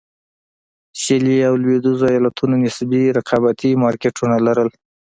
شلي او لوېدیځو ایالتونو نسبي رقابتي مارکېټونه لرل.